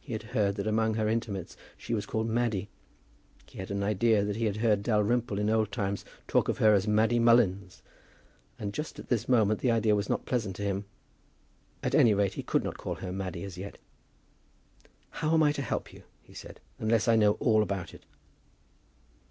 He had heard that among her intimates she was called Maddy. He had an idea that he had heard Dalrymple in old times talk of her as Maddy Mullins, and just at this moment the idea was not pleasant to him; at any rate he could not call her Maddy as yet. "How am I to help you," he said, "unless I know all about it?"